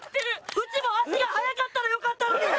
うちも足が速かったらよかったのに！